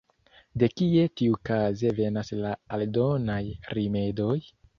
De kie tiukaze venas la aldonaj rimedoj?